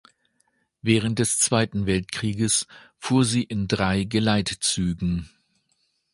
Während des Zweiten Weltkrieges fuhr sie in drei Geleitzügen.